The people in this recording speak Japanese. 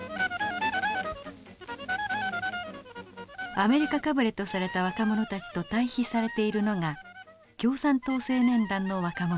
アメリカかぶれとされた若者たちと対比されているのが共産党青年団の若者たちです。